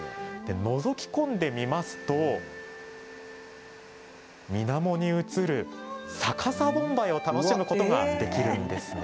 のぞき込んでみますとみなもに映る、逆さ盆梅を楽しむことができるんですね。